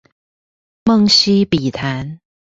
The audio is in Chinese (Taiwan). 夢溪筆談